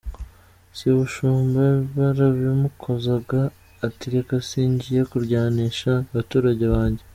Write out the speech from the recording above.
Sebushumba barabimukozaga ati reka singiye kuryanisha abaturage banjye".